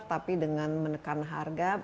tapi dengan menekan harga